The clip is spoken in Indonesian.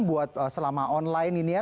buat selama online ini ya